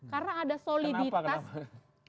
karena ada soliditas kenapa kenapa